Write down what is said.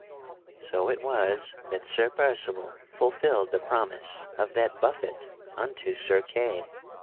So it was that Sir Percival fulfilled the promise of that buffet unto Sir Kay.